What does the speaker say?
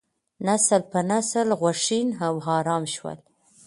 نسل په نسل غوښین او ارام شول.